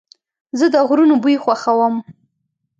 زه د غرونو بوی خوښوم.